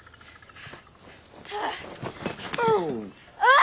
あ！